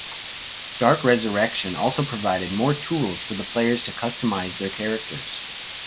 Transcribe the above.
"Dark Resurrection" also provided more tools for the players to customize their characters.